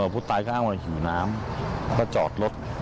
ผู้ตายก็อ้างว่าหิวน้ำก็จอดรถ